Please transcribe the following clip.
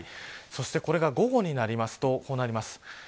そして、これが午後になるとこうなります。